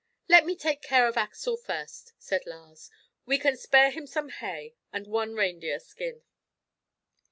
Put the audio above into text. "Let me take care of Axel first," said Lars. "We can spare him some hay and one reindeer skin."